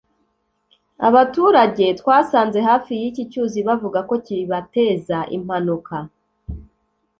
Abaturage twasanze hafi y’iki cyuzi bavuga ko kibateza impanuka